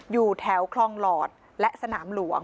อยู่แถวคลองหลอดและสนามหลวง